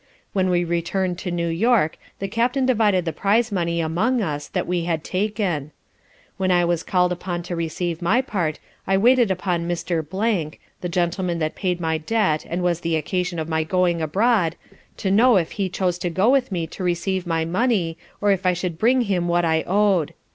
When we return'd to New York the Captain divided the prize money among us, that we had taken. When I was call'd upon to receive my part, I waited upon Mr. , (the Gentleman that paid my debt and was the occasion of my going abroad) to know if he chose to go with me to receive my money or if I should bring him what I owed.